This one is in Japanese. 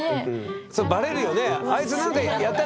それバレるよね。